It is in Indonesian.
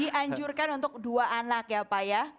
dianjurkan untuk dua anak ya pak ya